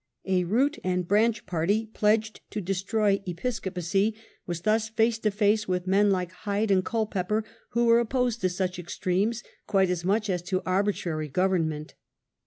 A "Root and Branch " party, pledged to destroy Episcopacy, was thus face to face with men like Hyde and Culpeper, who were opposed to such extremes quite as much as to arbitrary government.